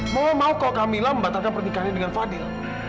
mama mau kalau kamila membatalkan pernikahannya dengan fadil